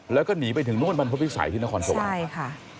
แล้วก็หนีไปถึงนู่นบรรพฤษภิษัยที่นครสวรรค์ใช่ค่ะ